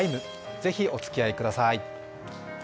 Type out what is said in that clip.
ぜひ、おつきあいください。